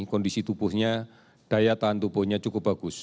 kondisi tubuhnya daya tahan tubuhnya cukup bagus